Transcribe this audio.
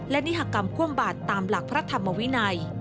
และนิหากรรมคว่ำบาดตามหลักพระธรรมวินัย